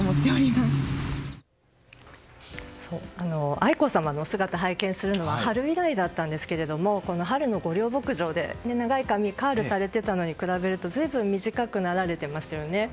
愛子さまの姿を拝見するのは春以来でしたが春の御料牧場で長い髪がカールされていたのに比べると随分短くなられていますよね。